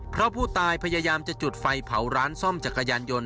เพราะผู้ตายพยายามจะจุดไฟเผาร้านซ่อมจักรยานยนต์